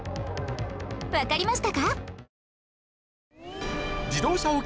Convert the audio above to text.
わかりましたか？